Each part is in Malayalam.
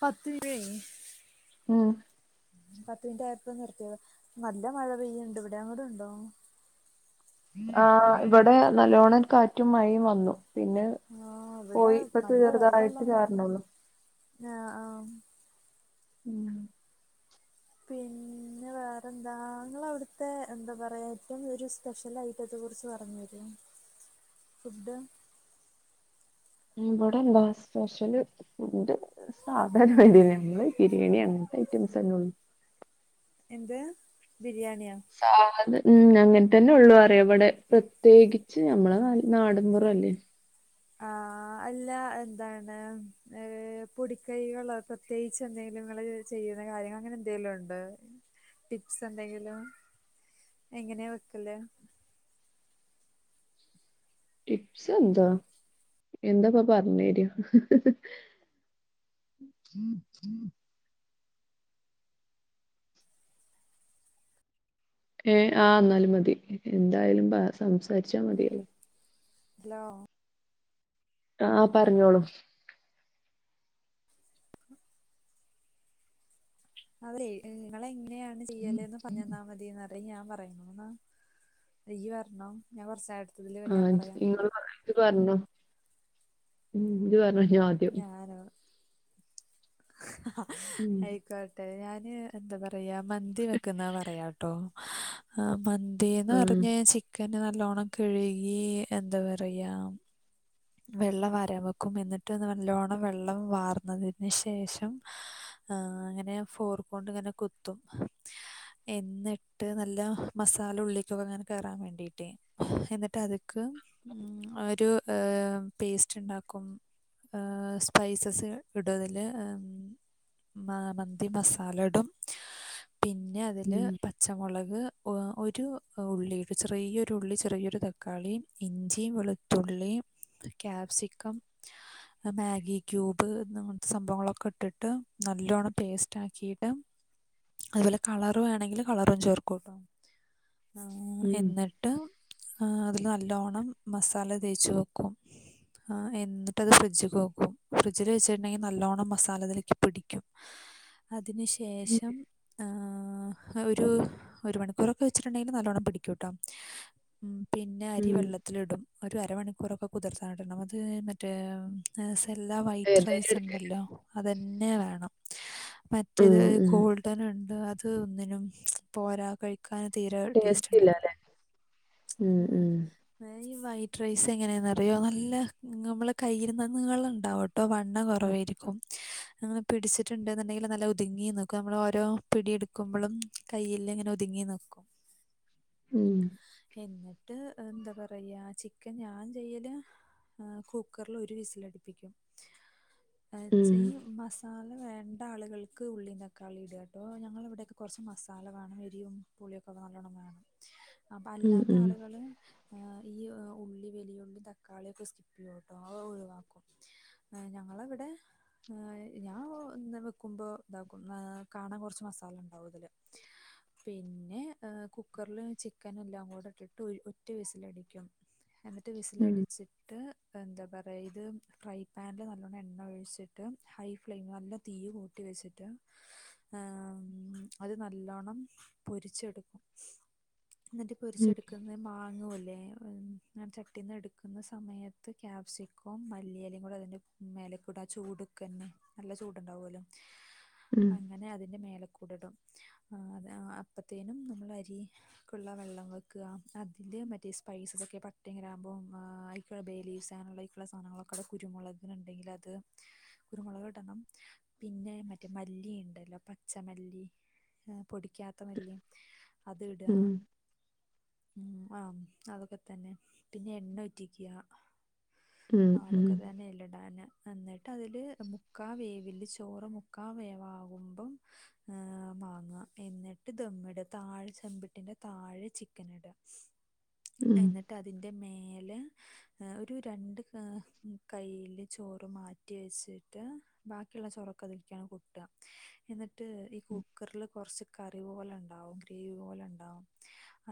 പത്തിര്യേ ആ പത്ത് മിനിറ്റ് ആയപ്പോ നിർത്തിയതാ നല്ല മഴ പെയ്യ്ണ്ട് ഇവിടെ അവടെണ്ടോ ആ ഇവടെ നല്ലോണം കാറ്റും മഴയും വന്നു പിന്നെ ആ ഇവടെ പോയി ഇപ്പൊ നല്ല വെള്ളള്ള ചെറുതായിട്ട് ചാർണുള്ളൂ ആ ഉം പിന് ന്നെ വേറെന്താ ഇങ്ങളോട്ത്തേ എന്താ പറയാ ഏറ്റവും ഒരു സ്പെഷ്യൽ ഐറ്റത്തെ കുറിച്ച് പറഞ്ഞേരോ ഫുഡ്‌ ഇവിടെ എന്താ സ്പെഷ്യല് ഫുഡ് സാധാരണ രീതില് നമ്മള് ബിരിയാണ്യണ് ഐറ്റംസെനോള് ഉ എന്ത് സാധ് ഉം അങ്ങനെ തന്നെ ഒള്ളൂ അറിയ ഇവടെ പ്രത്യേകിച്ച് നമ്മളെ ന നാട്പുറല്ലേ ആ ആ അല്ല എന്താണ് ഏ പൊടിക്കൈകളോ പ്രത്യേയിച്ച് എന്തെലും ഇങ്ങള് ചെയ്യ് ചെയ്യുന്ന കാര്യങ്ങള് അങ്ങനെ എന്തേലുണ്ടോ ടിപ്സ് എന്തെങ്കിലും എങ്ങനെ വെക്കല് ടിപ്സ് എന്താ എന്താപ്പ പറഞ്ഞേരാ ഉം ഉം ഏ ആ ഇന്നാലും മതി എന്തായാലും പ സംസാരിച്ചാ മതിയല്ലോ ഹലോ ആ പറഞ്ഞോളൂ അതെ നിങ്ങളെ എങ്ങനെയാണ് ചെയ്യലേന്ന് പറഞ്ഞേന്നാ മതിന്നറ് അത് ഞാൻ പറയണോന്നാ ഇയ്യ്റ്ഞ്ഞോ ഞാൻ കൊറച്ച് അടുത്തതില് ആ ഞാൻ ഇജ്ജ് പറയാം ഇങ്ങള് പറി ഇജ്ജ് പറഞ്ഞോ ഉം ഇജ്ജ് പറേ ഞാനോ ഉം ആയിക്കോട്ടെ ഞാ ന് എന്താ പറയാ മന്തി വെക്ക്‌ന്ന പറയാട്ടോ മ ന്തിന്ന് ആഹ് പറഞ്ഞാ ചിക്കന് നല്ലോണം കഴ്കി എന്താ പറയാ വെള്ളം വരാ വെക്കും എന്നിട്ട്ന്ന് നല്ലോണം വെള്ളം വാർന്നതിന് ശേഷം ആ അങ്ങനെ ഫോർക്കൊണ്ട് ഇങ്ങനെ കുത്തും എന്നിട്ട് നല്ല മസാല ഉള്ളിക്കൊക്കെ ഇങ്ങനെ കേറാന് വേണ്ടിട്ടേ എന്നിട്ട് അത്ക്ക് മ്മ് ഒരു ഏ പേസ്റ്റ്ണ്ടാക്കും സ്പൈസസ് ഇടു അതില് മ മന്തി മസാലടും പിന്നെ അതില് ഉം പച്ചമൊളക് ഒരു ഉള്ളി ഒരു ചെറിയൊരു ഉള്ളി ചെറിയൊരു തക്കാളി ഇഞ്ചി വെളുത്തുള്ളീം ക്യാപ്സിക്കം മാഗി ക്യൂബ്ന്ന്ങ്ങത്തെ സംഭവങ്ങളൊക്കെ ഇട്ടിട്ട് നല്ലോണം പേസ്റ്റ് ആക്കിട്ട് അത്പോലെ കളറ് വേണേങ്കില് കളറും ചേർക്കും ഉം എന്നിട്ട് അതിൽ നല്ലോണം മസാല തേച്ച് വെക്കും ആ എന്നിട്ടത് ഫ്രിഡ്ജ്‌ക്ക്‌ വെക്കും ഫ്രിഡ്ജ്‌ല് വെച്ചിട്ട്ണ്ടെങ്കി നല്ലോണ്ണം മസാലതിലേക്ക് പിടിക്കും അതിന് ശേഷം ആ ഒരു ഒരു മണിക്കൂറൊക്കെ വെച്ചിട്ട്ണ്ടെങ്കിൽ നല്ലോണ്ണം പിടിക്കൂട്ടോ ഉം പിന്നെ അരി ഉം വെള്ളത്തിലിടും ഒരു അരമണിക്കൂറൊക്കെ കുതിർന്നടണം അത് മറ്റേ [unintelligible] അതെല്ലാ വൈറ്റ് ഏതായാലും റൈസ് എടുക്ക് ഉണ്ടല്ലോ അതന്നെ വേണം ഉം മറ്റേത് ഉം ഗോൾഡൻ ഉണ്ട് അത് ഒന്നിനും പോരാ [unintelligible] ക്കാന് തീരെ ടേസ്റ്റ് ടേസ്റ്റ്ണ്ടാവില്ല ഇല്ലാല്ലേ ഉം ഉം ഈ വൈറ്റ് റൈസ് എങ്ങനെ അരിയോ നല്ല നമ്മളെ കയ്യില് നീളണ്ടാവുട്ടോ വണ്ണം കൊറവായിരിക്കും പിടിച്ചിട്ടുണ്ടെന്നുണ്ടെങ്കിൽ നല്ല ഒതുങ്ങി നിക്കും നമ്മൾ ഓരോ പിടിയെടുക്ക്പോളും കയ്യിൽ ഇങ്ങനെ ഒതുങ്ങി നിക്കും ഉം എന്നിട്ട് എന്താ പറയാ ചിക്കൻ ഞാൻ ചെയല അ കുക്കറൽ ഒരു വിസിലടിപ്പിക്കും [unintelligible] ഉം മസാല [unintelligible] വേണ്ട ആളുകൾക്ക് ഉള്ളിം തക്കാളി ഇടുക കേട്ടോ ഞങ്ങളിവിടെയൊക്കെ കുറച്ച് മസാല വേണം എരിയും പുൊളിയൊക്കെ നല്ലോണം വേണം അപ്പൊ അല്ലാത്തെ ഉം ആളുകൾ [unintelligible] തക്കാളി ഒക്കെ സ്കിപ് ചെയ്യൂട്ടോ അത് ഒഴിവാക്കും ഞങ്ങൾ [unintelligible] ഞാൻ ഇ വെക്കുമ്പോ ഇതാക്കും കാണാൻ കുറച്ച് മസാല ഉണ്ടാവും ഇതില് പിന്നെ കുക്കറില് ചിക്കനല്ലാം കൂടെ ഇട്ടിട്ട് ഒറ്റ വീസില് അടിക്കും എന്നിട്ട് ഉം വിസിലടിച്ചിട്ട് എന്താ പറയുക ഇത് ഫ്രൈ പാനിൽ നല്ലോണ്ണം എണ്ണ ഒഴിച്ചിട്ട് ഹൈ ഫ്ലെയിമിൽ നല്ല തീ കൂട്ടി [unintelligible] അത് നല്ലണം പൊരിച്ചെടുക്കും എന്നിട്ട് ഉം ഉം പൊരിച്ചെടുക്കുന്നത് മാങ്ങുവല്ലേ [inaudible] വട്ടിൽ നിന്ന് എടുക്കുന്ന സമയത്ത് ക്യാപ്സിക്കോം, മല്ലിയയിലും കൂടെ അതിൻ്റെ മേലക്കൂട ചൂടുക്കന്നെ നല്ല ചൂട്ണ്ടാവപോലും ഉം അങ്ങനെ അതിന്റെ [unintelligible] [unintelligible] അപ്പത്തേനും നമ്മൾ അരിക്കുള്ള വെള്ളം വെക്കുക അതില് മറ്റേ സ്പൈസ്സെസ് ഒക്കെ പട്ടയും [unintelligible] അം [unintelligible] സാധനങ്ങളക്കെ അടെ കുരുമുളകിനുണ്ടെങ്കിൽ അത് കുരുമുളകിടണം പിന്നെ മറ്റേ മല്ലി ഉണ്ടല്ലോ [unintelligible] പച്ച മല്ലി പൊടിക്കാത്ത മല്ലിയി അത് ഇടുക ഉം ഉം ആഹ് അതൊക്കെ തന്നെ പിന്നെ എണ്ണ ഒറ്റിക്കുക ഉം ആ ഉം അതൊക്കെ തന്നെ ഇല്ലഇടാന് എന്നിട്ട് അതില് മുക്കാവേവില് ചോറ് മുക്കാ വേവാകുമ്പം വാങ്ങ എന്നിട്ട് ദമ്മിട താഴെ ചെമ്പിട്ടിന്റെ താഴെ ചിക്കൻ ഇട ഉം എന്നിട്ട് [unintelligible] മേല ഒരു രണ്ട് കയ്യില് ചോറ് മാറ്റി വെച്ചിട്ട് [unintelligible] ബാക്കി ഒള്ള ചോറൊക്കെ [unintelligible] എന്നിട്ട് ഈ കുക്കറിൽ കുറച്ച് കറി പോലെ ഉണ്ടാവും ഗ്രേവി പോലെ ഉണ്ടാവും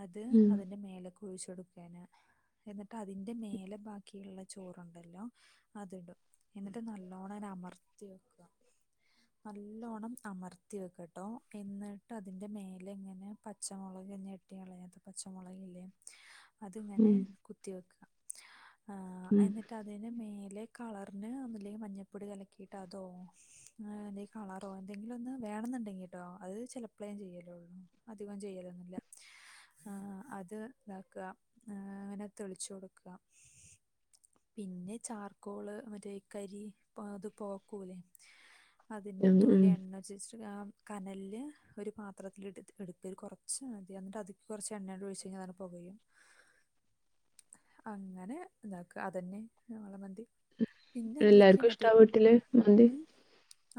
അത് ഉം ഉം അതിന്റെ മേലൊക്കെ ഒഴിച്ച കൊടുക്കാന [unintelligible] എന്നിട്ട് അതിന്റെ മേലെ ബാക്കിയുള്ള ചോറുണ്ടല്ലോ അത് ഇടും എന്നിട്ട് നല്ലോണം [unintelligible] [unintelligible] നല്ലോണ്ണം അമർത്തി വെക്കട്ടോ എന്നിട്ട് അതിൻ്റെ മേലെ ഇങ്ങനെ പച്ചമുളക് [unintelligible] [unintelligible] പച്ചമുളകലില്ലേ അതിങ്ങനെ ഉം കുത്തി വെക്കുക എന്നിട്ട് അതിന് മേലെ കളറിന് ഒന്നല്ലെങ്കിൽ മഞ്ഞപ്പൊടി ഇലക്കിയിട്ട് അതോ എല്ലേൽ കളറോ എന്തെങ്കിലും ഒന്ന് വേണ വേണോണ്ടെങ്കിട്ടോ അത് ചെിലപ്പോളേ ഞാൻ ചെയ്യലോള്ളു അധികം ചെയ്യലൊന്നില്ല ആ അത് ഇതാക്കുക അങ്ങനെ തെളിച്ചു കൊടുക്കുക പിന്നെ ചാർക്കോള് മറ്റേ കരി അത് പോക്കൂലേ അതിന് ഉം ഉം തുള്ളി എണ്ണ [unintelligible] കനലിൽ ഒരു പാത്രത്തിലൽ എടുക്ക ഒരു കുറച്ച് മതി എന്നിട്ട് അതിക്ക് കുറച്ച് എണ്ണകൂടി ഒഴിച്ച് കഴിഞ്ഞ അതാങ്ങ് പുകയും അങ്ങനെ എന്താക്ക അതന്നെ [unintelligible] അതിലേക്ക് എല്ലാർക്കും ഇഷ്ടാവപ്പെട്ടില്ലേ മന്തി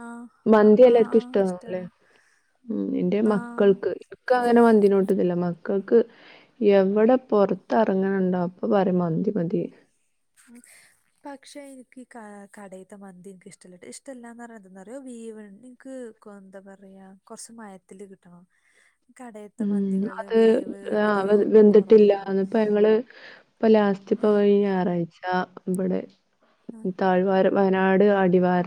ആഹ് മന്തി ആഹ് എല്ലാർക്കും ആഹ് ഇഷ്ടാവുല്ലേ ഇഷ്ടാണ് ഉം എന്റെ മക്കൾക്ക് ഇക്കങ്ങനെ മന്തിനോട്ട്ക്കില്ല മക്കക്ക് എവിടെ പൊർത്തെറങ്ങ്ണ് ണ്ടോ അപ്പൊ പറെം മന്തി മതി. [unintelligible] പക്ഷെ എനിക്ക് ഈ കാ കടയിത്തെ മന്തി ഇൻക്ക് ഇഷ്ടല്ലട്ടോ ഇഷ്ടല്ലാന്ന് പറിണത് എന്താറിയോ അത്‌ വേവ്ണ് ഇന്ക്ക് ക്കോ എന്താ പറയാ കൊറച്ച് മയത്തില് കിട്ടണം കടയത്തെ ഉം മന്തികള് അത് വേവ് ആ ഒരു കുറവായിരിക്കും വെന്തിട്ടില്ലാന്ന് ഇപ്പ ഞങ്ങള് ഇപ്പ ലാ ഇച്ചിപ്പോ ആഹ് കഴിഞ്ഞ ഞായറാഴ്ച ഇവിടെ ആഹ് താഴ് വാരം വയനാട് അടിവാര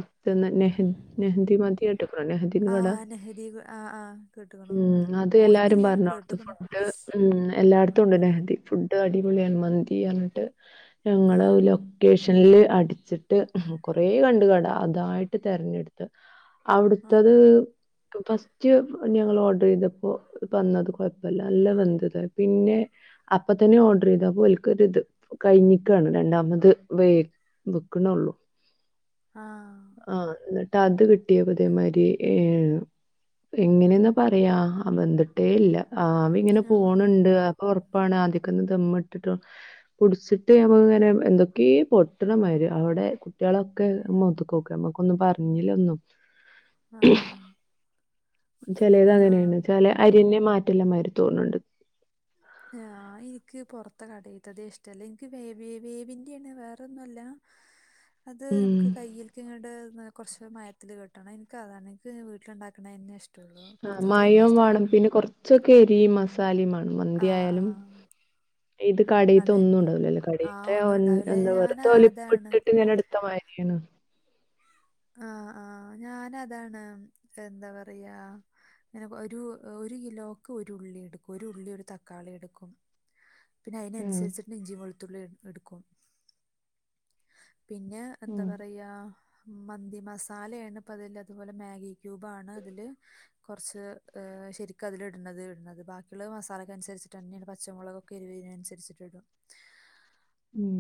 നെഹ് നെഹന്ദി മന്തി കേട്ട്ക്ക്ണോ നെഹന്ദീന്റെ കടാ ആഹ് നെഹദി ആഹ് ആഹ് കേട്ട്ക്ക്ണ് എല്ലാരും പർഞ്ഞൊട്ത്തെ ഫുഡ് ഉം ഉം എല്ലാട്ത്തുണ്ട് നെഹന്ദി ഫുഡ് അടിപൊളിയാണ് മന്തി പർഞ്ഞിട്ട് ഞങ്ങളെ ആഹ് ലൊക്കേഷൻ ന്ല് അടിച്ചിട്ട് കൊറെ കണ്ടു കട അതായിട്ട് തെർഞ്ഞെട്ത്ത് ആഹ് അവിട്ത്തത് ഫസ്റ്റ് ഞങ്ങള് ഓർഡർ ചെയ്ത അപ്പോ വന്നത് കൊഴപ്പല്ല നല്ല വെന്തത് പിന്നെ അപ്പ തന്നെ ഓർഡർ ചെയ്തപ്പോ ഓൽക്കൊരുത് കഴിഞ്ഞിക്കാണ് രണ്ടാമത് വേ വെക്കണ്ള്ളു ആഹ് ആഹ് എ അത് കിട്ടിയ അതേമാതിരി ഏ എങ്ങനെന്നാ പറയാ ആഹ് വെന്തിട്ടേ ഇല്ല ആവിങ്ങനെ ആഹ് പോണുണ്ട് അപ്പ ഒർ പ്പാണ് ആദ്യക്കൊന്ന് ദമ്മ് ഇട്ടിട്ട് കുട്ച്ചിട്ട് നമ്മ ഇങ്ങനെ എന്തൊക്കെ പൊട്ട്ണമാതി ഇവടെ കുട്ട്യാളൊക്കെ മോത്ത്ക്കോക്കി നമ്മക്കൊന്നും പർഞ്ഞിലൊന്നും ആഹ് ആഹ് [unintelligible] ചെലേത് ആഹ് അങ്ങനേണ് ചെല അരിന്നേ മാറ്റെല്ലമാതിരി തോണ് ണ്ട് ഏ ആഹ് ആഹ് എനിക്ക് പൊർത്തെ കടേത്തതേ ഇഷ്ടല്ല ഇൻക്ക് വേ വേ വേവിന്റെ ആണ് വേറൊന്നല്ല അത് ഉം. നമുക്ക് കയ്യിൽക്കിങ്ങട് കുറച്ച് മയത്തില് കിട്ടണം ഇൻക്ക് അതാണ് ഇൻക്ക് വീട്ടിലുണ്ടാക്കണന്നെ ഇഷ്ടം ആഹ് മയോം വേണം പിന്നെ കൊർച്ചൊക്കെ എരീം മസാലെം മേണം ആ മന്തി ആ ആയാലും ഇത് കടയിത്ത ഒന്നും അതന്നെ ഉണ്ടാവൂല്ലല്ലോ ആ കടയിയിലത്തെ ഒന്നും ഉണ്ടാവില്ല എന്താ ഞാൻ വെറുതെ അതാണ് ഒലിപ്പിട്ടിട്ട് ഇങ്ങനെ എടുത്ത ക്കരിയാണ് ആഹ് ആഹ് ഞാന് അതാണ് എന്താ പറയാ അങ്ങനെ ഒരു ഒരു കിലോക്ക് ഒരു ഉള്ളി എടുക്കും ഒരു ഉള്ളി ഒരു തക്കാളി എടുക്കും പിന്നെ ആ. അതിനനുസരിച്ചിട്ട് ഇഞ്ചി വെളുത്തുള്ളി എടുക്കും പിന്നെ എന്താ ഉം. പറയാ മന്തി മസാലയാണ് ഇപ്പ അതില് അതുപോലെ മാഗി ക്യൂബാണ് അതില് കുറച്ച് ഏഹ് ശരിക്കും അതില ഇടുന്നത് ഇടുന്നത് ബാക്കിയുള്ള മസാലൊക്ക അനുസരിച്ചിട്ട തന്നെയാണ് പച്ചമുളകൊക്കെ എരിവതിനനുസരിട്ട ഇടും [inaudible] ഉം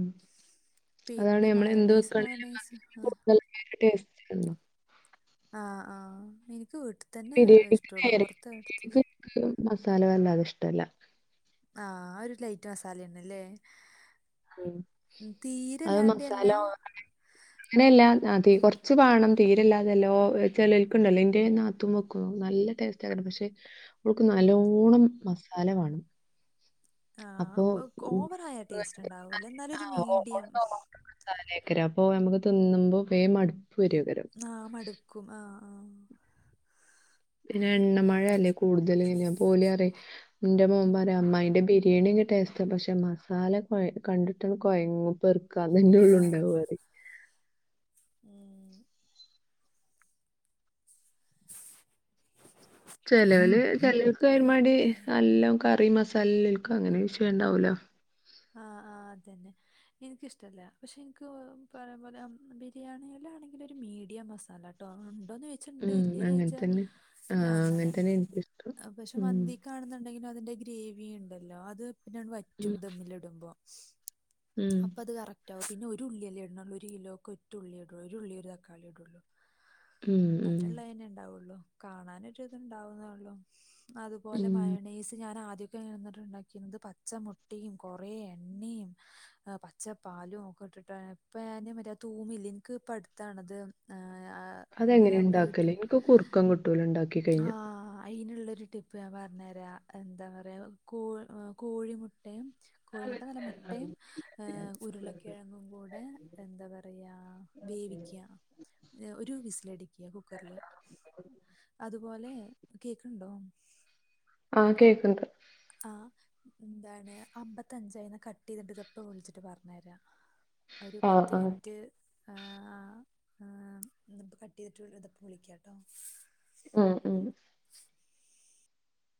അതാണ് പിന്നെ ഞമ്മളെന്ത് മയണൈസ് വെക്കണെലും മയണൈസ് കടുതല് നല്ല ടേസ്റ്റാണല്ലോ ആഹ് ആഹ് എനിക്ക് വീട്ടിതന്നെ ബിരിയാണിക്ക് ഇഷ്ട്ടൊള്ളു നേരെ പൊറത്തെടുത്തെ ബിരിയാണിക്ക് ഇഷ്ട എനിക്ക് മസാല വലാതെ ഇഷ്ട്ടല്ല ആഹ് ഒരു ലൈറ്റ് മസാലണല്ലേ? ഹും അത് മസാലഓവർ അങ്ങനെല്ല തീ കോറച്ച് വാണം തീരല്ലാതല്ല. ഓ ചെലെൽക്കുണ്ടല്ലോ ഇന്റെനാത്തുൻ വെക്കും നല്ല ടേസ്റ്റ് ആക്കാരം. പക്ഷേ, ഓൾക്ക് ഉം. നല്ലോണം മസാല വാണം ആഹ്വാ. വക് ഓവറ ആയ ടേസ്റ്റ് ണ്ടാവൂല്ല ന്നാലൊരു മീഡിയം. തിര അപ്പൊ നമക്ക് തിന്നുമ്പോ വേം മട്കു ആഹ മടുക്കും ആഹാ പിന്നെ എണ്ണമഴ അല്ലേ കൂടുതൽവര. അപ്പോ ഓല്റിം ന്റെ മോൻ ആ പറയും അമ്മായിന്റെ ബിരി ബിരിയാണിക്കെ ടേസ്റ്റ പക്ഷെ മസാല കൊ കണ്ടിട്ടങ്ങ് കൊഴങ്ങും. ആ പെർക്കാതന്നെ ഉള്ളൂണ്ടാവറിം ഉം. ചെിലവള് ചിലൾക്ക് ഒരുമാടി എല്ലാം കറി മസാല എൽക്ക അങ്ങനെ വിഷയ ഉണ്ടാവലോ ആഹ് ആഹ് അത് തന്നെ എനിക്ക ഇഷ്ടല്ല പക്ഷെ എനിക്ക് [unintelligible] ബിരിയാണി [unintelligible] മീഡിയം മസാല ട്ടോ ഉണ്ടോന്ന് ചോയ്ച്ച ഇണ്ട് ഉം ഇല്ലയന്ന് അങ്ങനെ ചോയ്ച്ച തന്നെ ഇല്ല ആഹ് അങ്ങനെ. തന്നെ എനിക്കിഷ്ടം പക്ഷെ ഉം മന്തിക്കാണുന്നുണ്ടെങ്കിലും. അതിന്റെ ഗ്രേവി ഉണ്ടല്ലോ അത് പിന്നാണ് വറ്റും ഉം ധമ്മിലിടുമ്പോ. ഉം അപ്പൊ അത് കറക്റ്റ് ആവും പിന്നെ ഒ ഒരു ഉള്ളിയല്ലേ ഇടണള്ളൂ ഒരു കിലോക്ക ഒറ്റ ഉള്ളി ഇടുള്ളൂ ഒരു ഉള്ള ഒരു തക്കാളി ഇടുള്ളൂ. ഉം ഉം അതിലുള്ള അനെ ഇണ്ടാവുള്ളു കാണാനൊ ഒരു ഇത് ഇണ്ടാവുന്നേ ഉള്ളു. അതു പോലെ ഉം മയണീസ് ഞാൻ ആദ്യമൊക്കെ ഇന്നിട്ടുണ്ടാക്കിുന്നത് പച്ചമുട്ടിയും കൊറെേ എണ്ണയും പച്ചപ്പാലും ഒക്കെ ഇട്ടിട്ട ഇപ്പ മര്യാ തൂമില്ല എനിക്ക് പ്പടുത്താണത് ആ ആ, അങ്ങനെ അതെങ്ങനെ ഉണ്ടാക്കല്ലേ യൂട്യൂബ് എനിക്ക് കുറുക്കം കിട്ടൂല ഉണ്ടാക്കി കഴിഞ്ഞ. ഒരു ടിപ്പ് ഞാൻ പറഞ്ഞരാ എന്താ പറയാ കോ കോഴിമുട്ടയും. കോഴിമുട്ട നല്ല മുട്ടയും ഏ ഉരുളക്കിഴങ്ങും കൂടെ എന്താ പറയാ വേവിക്ക ഒരു വിസിലടിക്ക കുക്കറില് അത് പോലെ കേക്കണ്ടോ? ആഹ് കേക്കണ്ട്. ആ എന്താണ് അമ്പത്തഞ്ചായി കട്ട് ചെയ്തിട്ട് ഇതപ്പ വിളിച്ചിട്ട് പറഞ്ഞ തരാ. ഒരു ആഹ് പത്ത് ആഹ് മിനിറ്റ്. ആ ആ ഇത് ഇപ്പോ കട്ട് ചെയ്തിട്ട് ഇതിപ്പൾ വിളിക്കാം കേട്ടോ. ആഹ് ആഹ്.